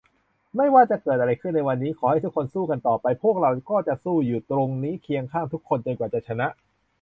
ไม่ว่าอะไรจะเกิดขึ้นในวันนี้ ขอให้ทุกคนสู้กันต่อไป พวกเราก็จะสู้อยู่ตรงนี้ เคียงข้างทุกคนจนกว่าจะชนะ